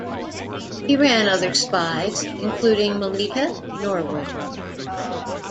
He ran other spies, including Melita Norwood.